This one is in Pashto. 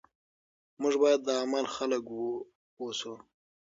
موږ باید د عمل خلک اوسو.